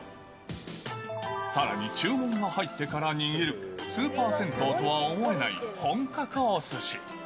さらに注文が入ってから握る、スーパー銭湯とは思えない本格おすし。